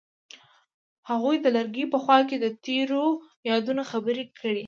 هغوی د لرګی په خوا کې تیرو یادونو خبرې کړې.